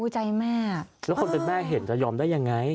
ใจแม่แล้วคนเป็นแม่เห็นจะยอมได้ยังไง